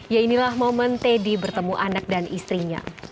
ya inilah momen teddy bertemu anak dan istrinya